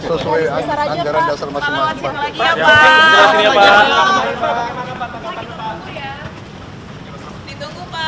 sesuai anggaran dasar masyarakat